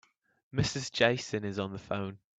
Mrs. Jason is on the phone.